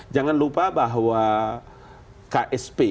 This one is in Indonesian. jangan lupa bahwa ksp